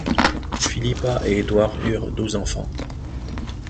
Philippa et Édouard eurent douze enfants.